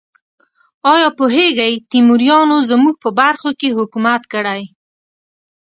ایا پوهیږئ تیموریانو زموږ په برخو کې حکومت کړی؟